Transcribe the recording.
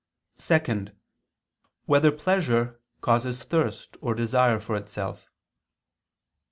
(2) Whether pleasure causes thirst or desire for itself?